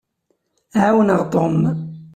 Ɛawneɣ Tom.